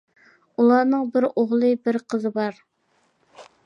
ئۇلارنىڭ بىر ئوغلى، بىر قىزى بار.